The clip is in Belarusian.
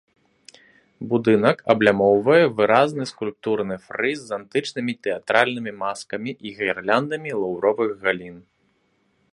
Будынак аблямоўвае выразны скульптурны фрыз з антычнымі тэатральнымі маскамі і гірляндамі лаўровых галін.